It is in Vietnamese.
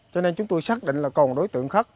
cho nên chúng tôi xác định là còn đối tượng khác